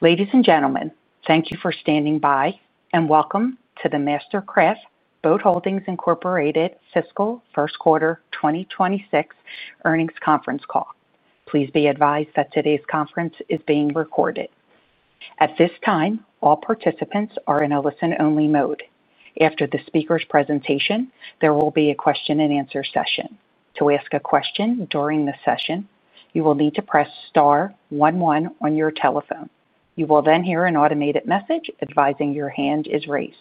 Ladies and gentlemen, thank you for standing by, and welcome to the MasterCraft Boat Holdings Incorporated fiscal first quarter 2026 earnings conference call. Please be advised that today's conference is being recorded. At this time, all participants are in a listen-only mode. After the speaker's presentation, there will be a question-and-answer session. To ask a question during the session, you will need to press star one one on your telephone. You will then hear an automated message advising your hand is raised.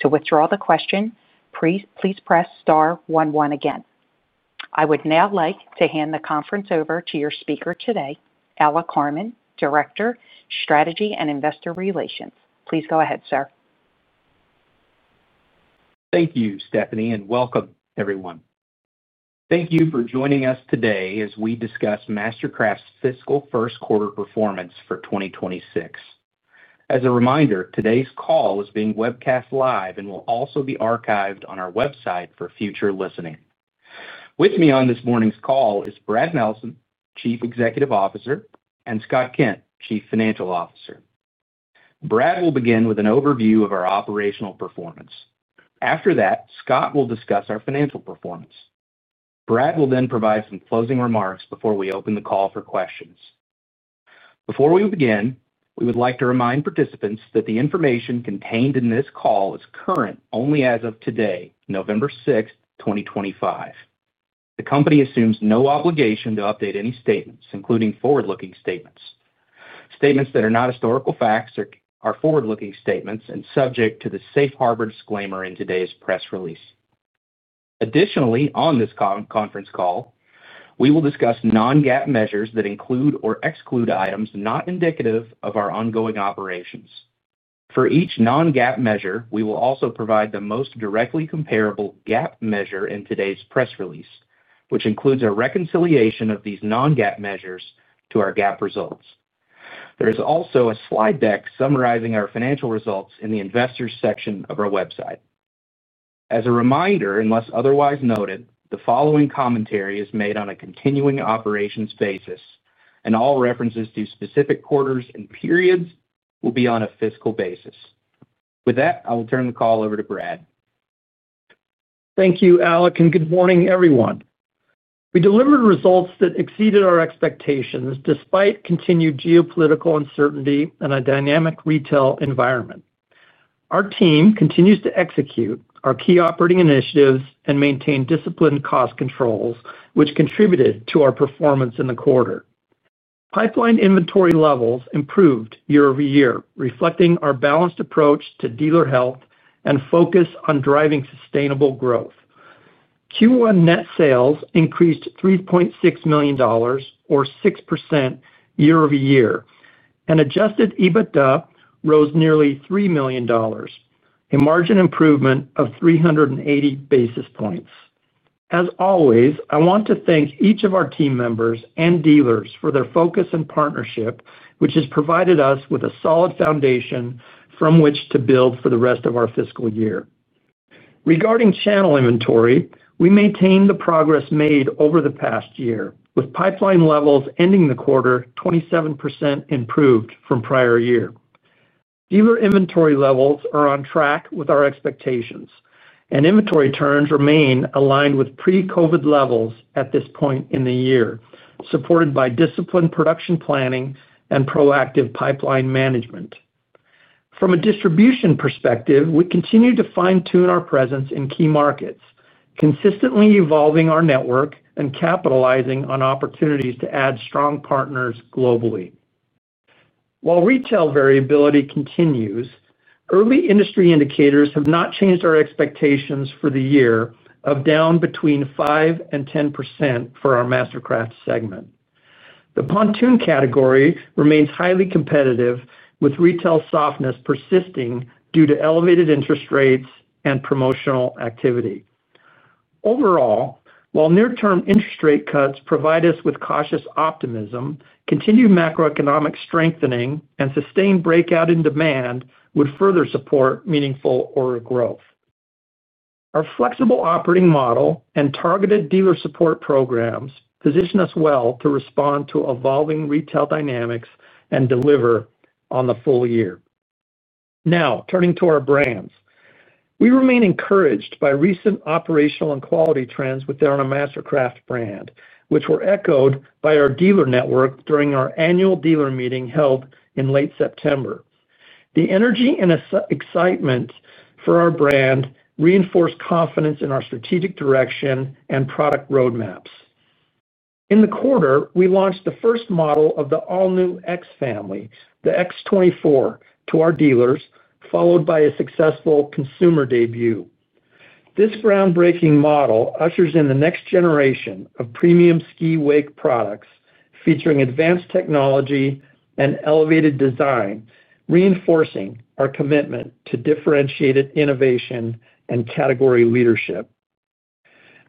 To withdraw the question, please press star again. I would now like to hand the conference over to your speaker today, Alec Carman, Director, Strategy and Investor Relations. Please go ahead, sir. Thank you, Stephanie, and welcome, everyone. Thank you for joining us today as we discuss MasterCraft's fiscal first quarter performance for 2026. As a reminder, today's call is being webcast live and will also be archived on our website for future listening. With me on this morning's call is Brad Nelson, Chief Executive Officer, and Scott Kent, Chief Financial Officer. Brad will begin with an overview of our operational performance. After that, Scott will discuss our financial performance. Brad will then provide some closing remarks before we open the call for questions. Before we begin, we would like to remind participants that the information contained in this call is current only as of today, November 6th, 2025. The company assumes no obligation to update any statements, including forward-looking statements. Statements that are not historical facts are forward-looking statements and subject to the Safe Harbor Disclaimer in today's press release. Additionally, on this conference call, we will discuss non-GAAP measures that include or exclude items not indicative of our ongoing operations. For each non-GAAP measure, we will also provide the most directly comparable GAAP measure in today's press release, which includes a reconciliation of these non-GAAP measures to our GAAP results. There is also a slide deck summarizing our financial results in the Investors section of our website. As a reminder, unless otherwise noted, the following commentary is made on a continuing operations basis, and all references to specific quarters and periods will be on a fiscal basis. With that, I will turn the call over to Brad. Thank you, Alec, and good morning, everyone. We delivered results that exceeded our expectations despite continued geopolitical uncertainty and a dynamic retail environment. Our team continues to execute our key operating initiatives and maintain disciplined cost controls, which contributed to our performance in the quarter. Pipeline inventory levels improved year-over-year, reflecting our balanced approach to dealer health and focus on driving sustainable growth. Q1 net sales increased $3.6 million, or 6% year-over-year, and adjusted EBITDA rose nearly $3 million. A margin improvement of 380 basis points. As always, I want to thank each of our team members and dealers for their focus and partnership, which has provided us with a solid foundation from which to build for the rest of our fiscal year. Regarding channel inventory, we maintain the progress made over the past year, with pipeline levels ending the quarter 27% improved from prior year. Dealer inventory levels are on track with our expectations, and inventory turns remain aligned with pre-COVID levels at this point in the year, supported by disciplined production planning and proactive pipeline management. From a distribution perspective, we continue to fine-tune our presence in key markets, consistently evolving our network and capitalizing on opportunities to add strong partners globally. While retail variability continues, early industry indicators have not changed our expectations for the year of down between 5% and 10% for our MasterCraft segment. The pontoon category remains highly competitive, with retail softness persisting due to elevated interest rates and promotional activity. Overall, while near-term interest rate cuts provide us with cautious optimism, continued macroeconomic strengthening and sustained breakout in demand would further support meaningful order growth. Our flexible operating model and targeted dealer support programs position us well to respond to evolving retail dynamics and deliver on the full year. Now, turning to our brands. We remain encouraged by recent operational and quality trends within our MasterCraft brand, which were echoed by our dealer network during our annual dealer meeting held in late September. The energy and excitement for our brand reinforce confidence in our strategic direction and product roadmaps. In the quarter, we launched the first model of the all-new X families, the X24, to our dealers, followed by a successful consumer debut. This groundbreaking model ushers in the next generation of premium ski-wake products featuring advanced technology and elevated design, reinforcing our commitment to differentiated innovation and category leadership.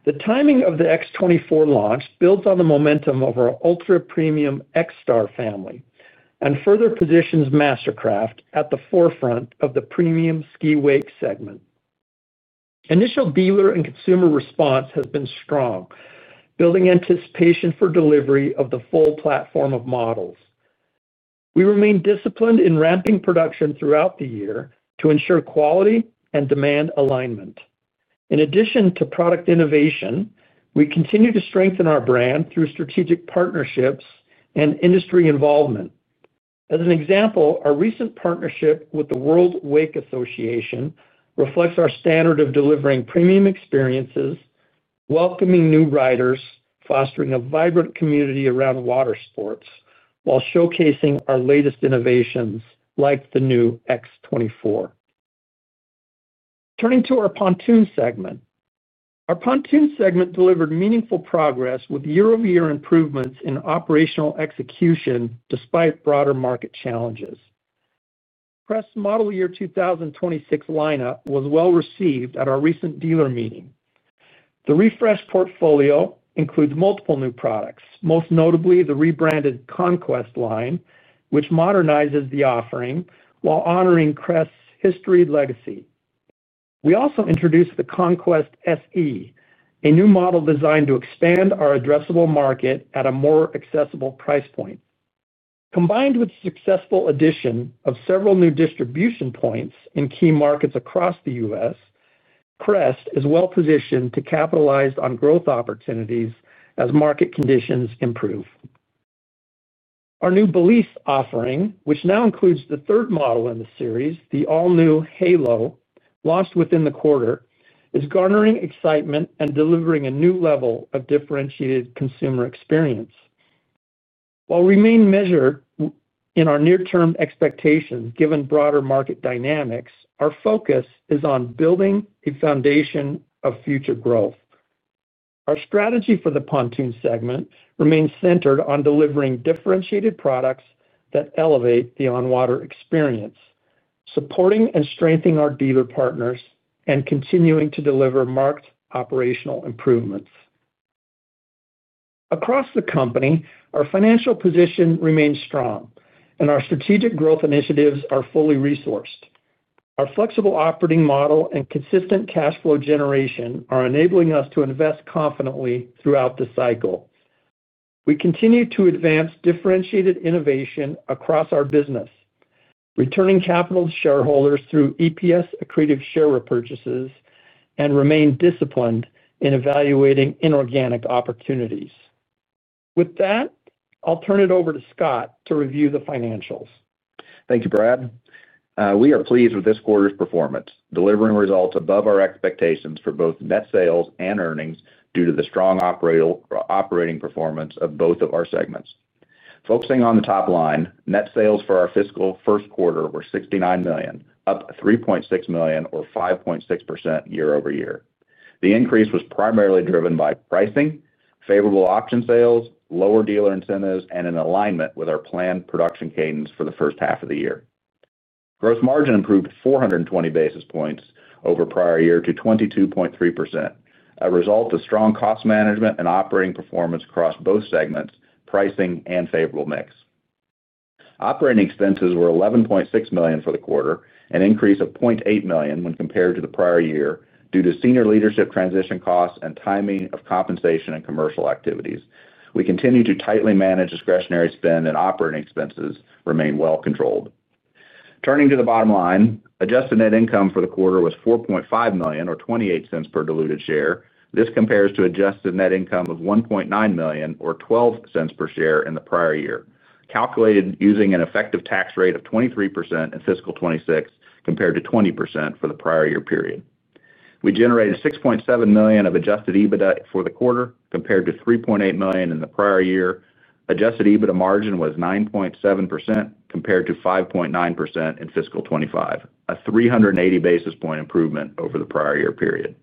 The timing of the X24 launch builds on the momentum of our ultra-premium X-Star family and further positions MasterCraft at the forefront of the premium ski-wake segment. Initial dealer and consumer response has been strong, building anticipation for delivery of the full platform of models. We remain disciplined in ramping production throughout the year to ensure quality and demand alignment. In addition to product innovation, we continue to strengthen our brand through strategic partnerships and industry involvement. As an example, our recent partnership with the World Wake Association reflects our standard of delivering premium experiences, welcoming new riders, fostering a vibrant community around water sports, while showcasing our latest innovations like the new X24. Turning to our pontoon segment. Our pontoon segment delivered meaningful progress with year-over-year improvements in operational execution despite broader market challenges. Crest Model Year 2026 lineup was well received at our recent dealer meeting. The refreshed portfolio includes multiple new products, most notably the rebranded Conquest line, which modernizes the offering while honoring Crest's history and legacy. We also introduced the Conquest SE, a new model designed to expand our addressable market at a more accessible price point. Combined with the successful addition of several new distribution points in key markets across the U.S., Crest is well positioned to capitalize on growth opportunities as market conditions improve. Our new Belize offering, which now includes the third model in the series, the all-new Halo, launched within the quarter, is garnering excitement and delivering a new level of differentiated consumer experience. While we remain measured in our near-term expectations given broader market dynamics, our focus is on building a foundation of future growth. Our strategy for the pontoon segment remains centered on delivering differentiated products that elevate the on-water experience, supporting and strengthening our dealer partners, and continuing to deliver marked operational improvements. Across the company, our financial position remains strong, and our strategic growth initiatives are fully resourced. Our flexible operating model and consistent cash flow generation are enabling us to invest confidently throughout the cycle. We continue to advance differentiated innovation across our business, returning capital to shareholders through EPS-accretive share repurchases and remain disciplined in evaluating inorganic opportunities. With that, I'll turn it over to Scott to review the financials. Thank you, Brad. We are pleased with this quarter's performance, delivering results above our expectations for both net sales and earnings due to the strong operating performance of both of our segments. Focusing on the top line, net sales for our fiscal first quarter were $69 million, up $3.6 million, or 5.6% year-over-year. The increase was primarily driven by pricing, favorable option sales, lower dealer incentives, and in alignment with our planned production cadence for the first half of the year. Gross margin improved 420 basis points over prior year to 22.3%, a result of strong cost management and operating performance across both segments, pricing, and favorable mix. Operating expenses were $11.6 million for the quarter, an increase of $0.8 million when compared to the prior year due to senior leadership transition costs and timing of compensation and commercial activities. We continue to tightly manage discretionary spend, and operating expenses remain well controlled. Turning to the bottom line, adjusted net income for the quarter was $4.5 million, or $0.28 per diluted share. This compares to adjusted net income of $1.9 million, or $0.12 per share in the prior year, calculated using an effective tax rate of 23% in fiscal 2026 compared to 20% for the prior year period. We generated $6.7 million of adjusted EBITDA for the quarter compared to $3.8 million in the prior year. Adjusted EBITDA margin was 9.7% compared to 5.9% in fiscal 2025, a 380 basis point improvement over the prior year period.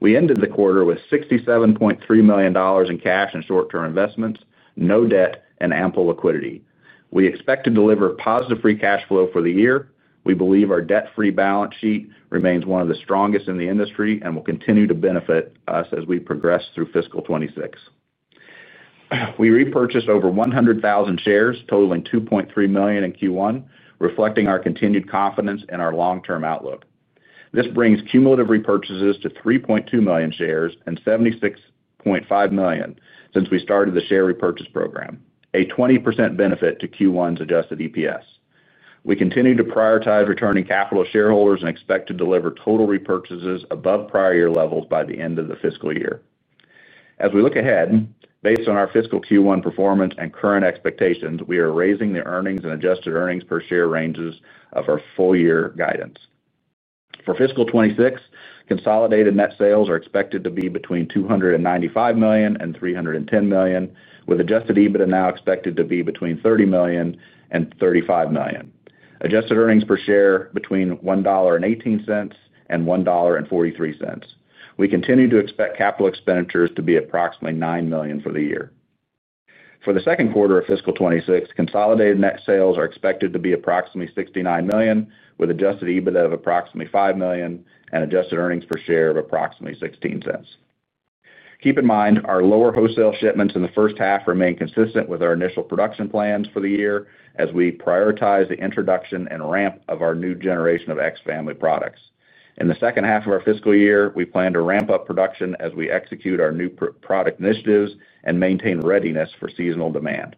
We ended the quarter with $67.3 million in cash and short-term investments, no debt, and ample liquidity. We expect to deliver positive free cash flow for the year. We believe our debt-free balance sheet remains one of the strongest in the industry and will continue to benefit us as we progress through fiscal 2026. We repurchased over 100,000 shares, totaling $2.3 million in Q1, reflecting our continued confidence in our long-term outlook. This brings cumulative repurchases to 3.2 million shares and $76.5 million since we started the share repurchase program, a 20% benefit to Q1's adjusted EPS. We continue to prioritize returning capital to shareholders and expect to deliver total repurchases above prior year levels by the end of the fiscal year. As we look ahead, based on our fiscal Q1 performance and current expectations, we are raising the earnings and adjusted earnings per share ranges of our full-year guidance. For fiscal 2026, consolidated net sales are expected to be between $295 million and $310 million, with adjusted EBITDA now expected to be between $30 million and $35 million. Adjusted earnings per share between $1.18 and $1.43. We continue to expect capital expenditures to be approximately $9 million for the year. For the second quarter of fiscal 2026, consolidated net sales are expected to be approximately $69 million, with adjusted EBITDA of approximately $5 million and adjusted earnings per share of approximately $0.16. Keep in mind our lower wholesale shipments in the first half remain consistent with our initial production plans for the year as we prioritize the introduction and ramp of our new generation of X family products. In the second half of our fiscal year, we plan to ramp up production as we execute our new product initiatives and maintain readiness for seasonal demand.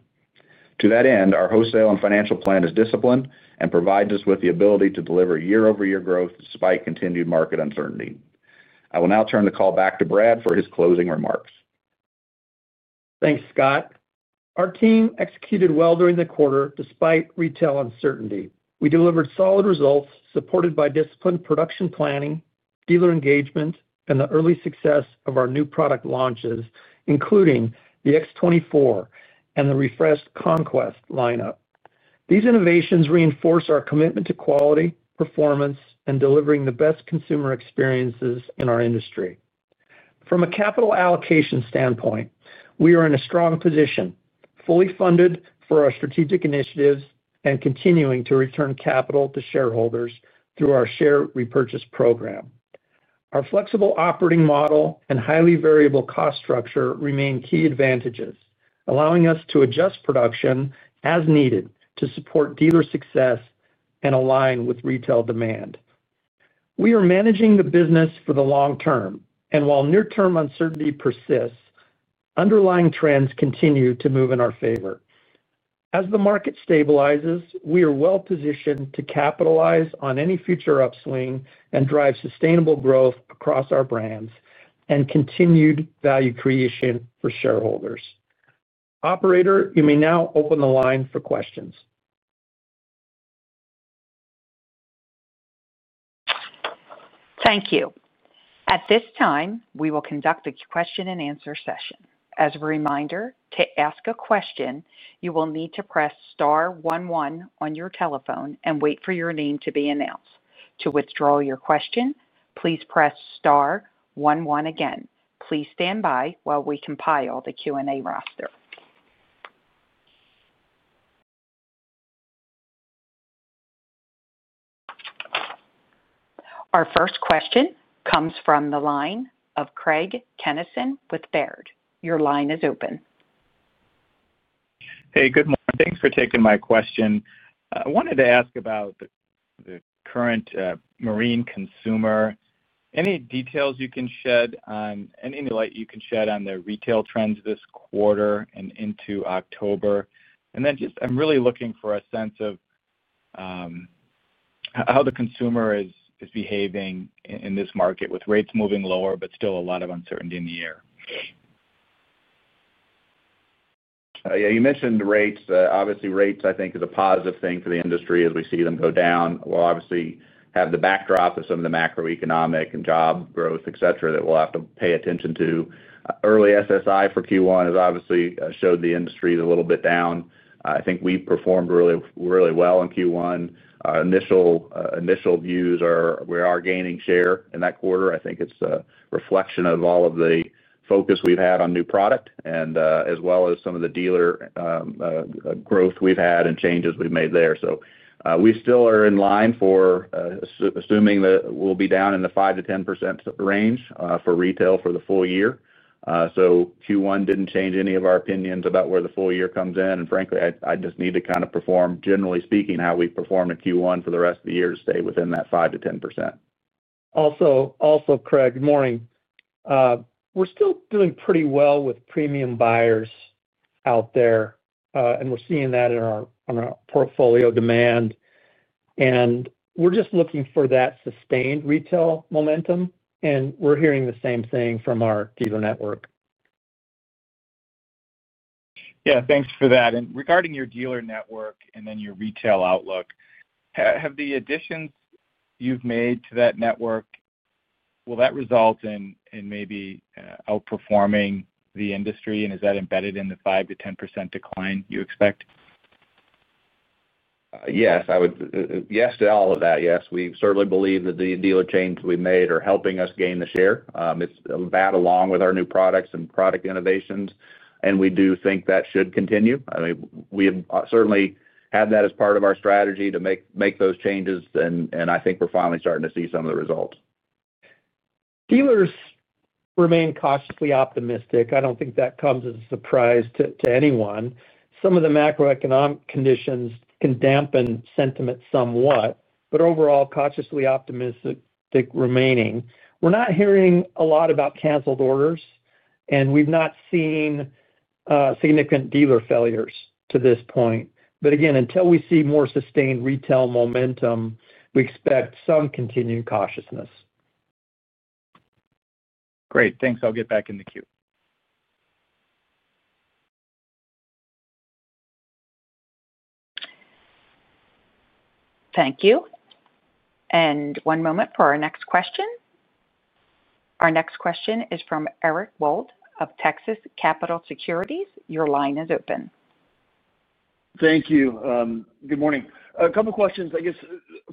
To that end, our wholesale and financial plan is disciplined and provides us with the ability to deliver year-over-year growth despite continued market uncertainty. I will now turn the call back to Brad for his closing remarks. Thanks, Scott. Our team executed well during the quarter despite retail uncertainty. We delivered solid results supported by disciplined production planning, dealer engagement, and the early success of our new product launches, including the X24 and the refreshed Conquest lineup. These innovations reinforce our commitment to quality, performance, and delivering the best consumer experiences in our industry. From a capital allocation standpoint, we are in a strong position, fully funded for our strategic initiatives and continuing to return capital to shareholders through our share repurchase program. Our flexible operating model and highly variable cost structure remain key advantages, allowing us to adjust production as needed to support dealer success and align with retail demand. We are managing the business for the long term, and while near-term uncertainty persists, underlying trends continue to move in our favor. As the market stabilizes, we are well positioned to capitalize on any future upswing and drive sustainable growth across our brands and continued value creation for shareholders. Operator, you may now open the line for questions. Thank you. At this time, we will conduct a question-and-answer session. As a reminder, to ask a question, you will need to press star one one on your telephone and wait for your name to be announced. To withdraw your question, please press star one one again. Please stand by while we compile the Q&A roster. Our first question comes from the line of Craig Kennison, with Baird. Your line is open. Hey, good morning. Thanks for taking my question. I wanted to ask about the current marine consumer. Any details you can shed on, any light you can shed on the retail trends this quarter and into October? I'm really looking for a sense of how the consumer is behaving in this market with rates moving lower, but still a lot of uncertainty in the air. Yeah, you mentioned rates. Obviously, rates, I think, is a positive thing for the industry as we see them go down. We'll obviously have the backdrop of some of the macroeconomic and job growth, et cetera, that we'll have to pay attention to. Early SSI for Q1 has obviously showed the industry is a little bit down. I think we performed really well in Q1. Our initial views are we are gaining share in that quarter. I think it's a reflection of all of the focus we've had on new product and as well as some of the dealer growth we've had and changes we've made there. We still are in line for assuming that we'll be down in the 5%-10% range for retail for the full year. Q1 didn't change any of our opinions about where the full year comes in, frankly, I just need to kind of perform, generally speaking, how we performed in Q1 for the rest of the year to stay within that 5%-10%. Also, Craig, good morning. We're still doing pretty well with premium buyers out there, and we're seeing that in our portfolio demand. We're just looking for that sustained retail momentum, and we're hearing the same thing from our dealer network. Yeah, thanks for that. Regarding your dealer network and then your retail outlook, have the additions you've made to that network, will that result in maybe outperforming the industry? Is that embedded in the 5%-10% decline you expect? Yes. Yes to all of that, yes. We certainly believe that the dealer changes we've made are helping us gain the share. It's that along with our new products and product innovations. We do think that should continue. I mean, we have certainly had that as part of our strategy to make those changes, and I think we're finally starting to see some of the results. Dealers remain cautiously optimistic. I don't think that comes as a surprise to anyone. Some of the macroeconomic conditions can dampen sentiment somewhat, but overall, cautiously optimistic remaining. We're not hearing a lot about canceled orders, and we've not seen significant dealer failures to this point. Again, until we see more sustained retail momentum, we expect some continued cautiousness. Great. Thanks. I'll get back in the queue. Thank you. One moment for our next question. Our next question is from Eric Wold of Texas Capital Securities. Your line is open. Thank you. Good morning. A couple of questions, I guess.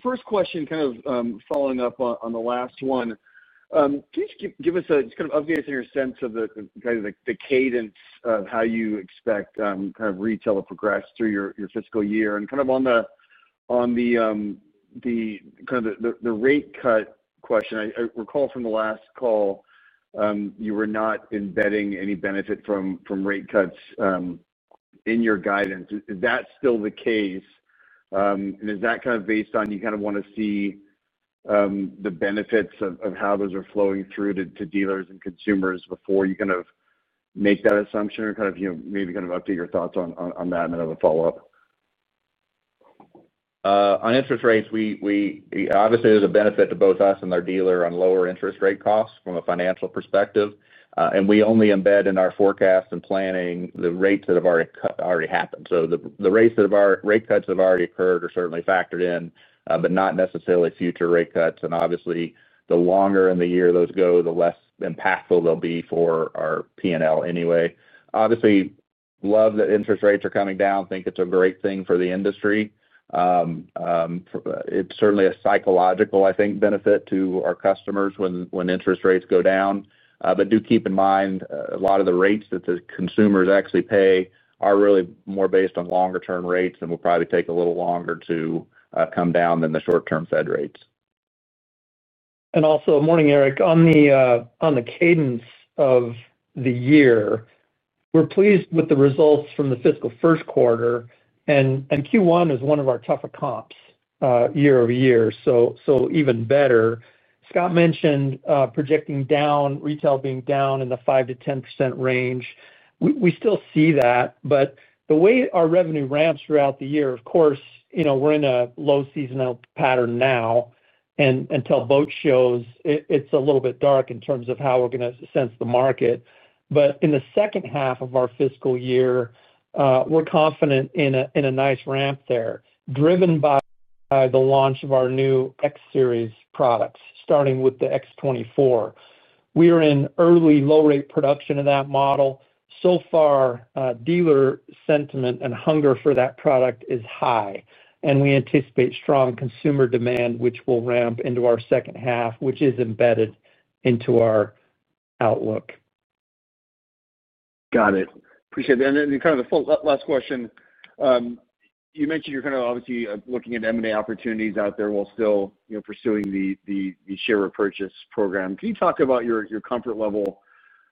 First question, kind of following up on the last one. Please give us a kind of update on your sense of the cadence of how you expect kind of retail to progress through your fiscal year. On the rate cut question, I recall from the last call you were not embedding any benefit from rate cuts in your guidance. Is that still the case? Is that based on you kind of want to see the benefits of how those are flowing through to dealers and consumers before you make that assumption, or maybe update your thoughts on that? I have a follow-up. On interest rates, obviously, there's a benefit to both us and our dealer on lower interest rate costs from a financial perspective. We only embed in our forecast and planning the rates that have already happened. The rate cuts have already occurred, are certainly factored in, but not necessarily future rate cuts and obviously, the longer in the year those go, the less impactful they'll be for our P&L anyway. Obviously, love that interest rates are coming down. Think it's a great thing for the industry. It's certainly a psychological, I think, benefit to our customers when interest rates go down. Do keep in mind a lot of the rates that the consumers actually pay are really more based on longer-term rates, and will probably take a little longer to come down than the short-term Fed rates. Also, good morning, Eric. On the cadence of the year, we're pleased with the results from the fiscal first quarter and Q1 is one of our tougher comps year-over-year, so even better. Scott mentioned projecting retail being down in the 5%-10% range. We still see that. The way our revenue ramps throughout the year, of course, we're in a low seasonal pattern now. Until boat shows, it's a little bit dark in terms of how we're going to sense the market. In the second half of our fiscal year, we're confident in a nice ramp there, driven by the launch of our new X series products, starting with the X24. We are in early low-rate production of that model. So far, dealer sentiment and hunger for that product is high. We anticipate strong consumer demand, which will ramp into our second half, which is embedded into our outlook. Got it. Appreciate that. And then kind of the last question. You mentioned you're kind of obviously looking at M&A opportunities out there, while still pursuing the share repurchase program. Can you talk about your comfort level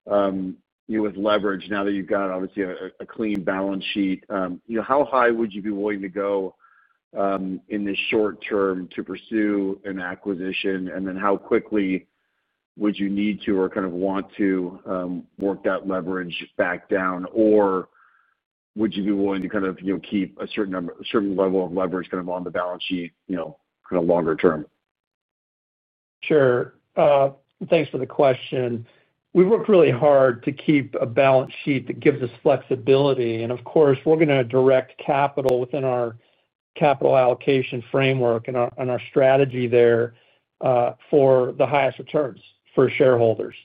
with leverage now that you've got obviously a clean balance sheet? How high would you be willing to go in the short term to pursue an acquisition? And then how quickly would you need to or kind of want to work that leverage back down? Or would you be willing to kind of keep a certain level of leverage kind of on the balance sheet kind of longer term? Sure. Thanks for the question. We work really hard to keep a balance sheet that gives us flexibility. Of course, we're going to direct capital within our capital allocation framework and our strategy there for the highest returns for shareholders.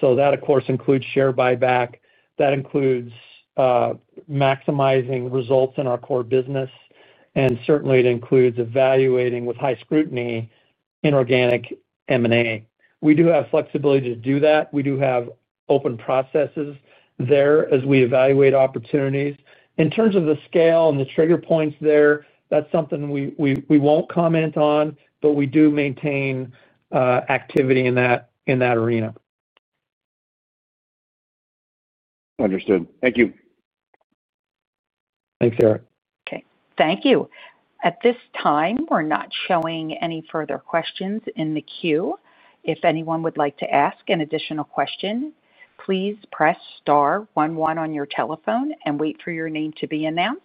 That, of course, includes share buyback. That includes maximizing results in our core business. Certainly, it includes evaluating with high scrutiny inorganic M&A. We do have flexibility to do that. We do have open processes there as we evaluate opportunities. In terms of the scale and the trigger points there, that's something we won't comment on, but we do maintain activity in that arena. Understood. Thank you. Thanks, Eric. Okay. Thank you. At this time, we're not showing any further questions in the queue. If anyone would like to ask an additional question, please press star one one on your telephone and wait for your name to be announced.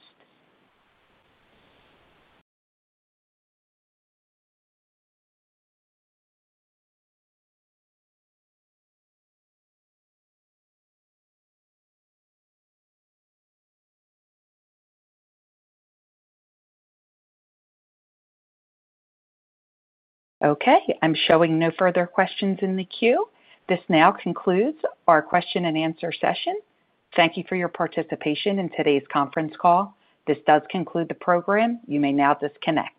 Okay. I'm showing no further questions in the queue. This now concludes our question and answer session. Thank you for your participation in today's conference call. This does conclude the program. You may now disconnect.